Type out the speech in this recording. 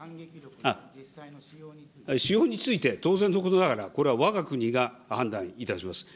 使用について、当然のことながら、これはわが国が判断いたします。